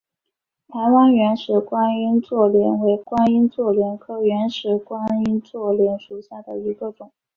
台湾原始观音座莲为观音座莲科原始观音座莲属下的一个种。